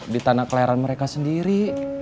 di tanah kelahiran mereka sendiri